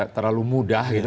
terlalu mudah gitu